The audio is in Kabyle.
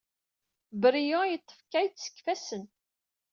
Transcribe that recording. Brian yeḍḍef Kate seg yifassen.